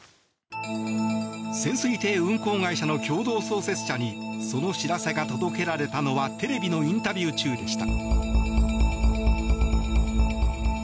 潜水艇運航会社の共同創設者にその知らせが届けられたのはテレビのインタビュー中でした。